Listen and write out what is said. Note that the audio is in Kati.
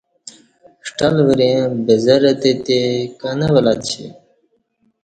ݜٹل وریئں بزرہ تتی کہ نہ ولہ ڄی